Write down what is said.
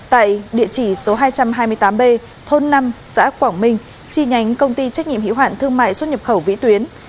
tại địa chỉ số hai trăm hai mươi tám b thôn năm xã quảng minh chi nhánh công ty trách nhiệm hiệu hạn thương mại xuất nhập khẩu vĩ tuyến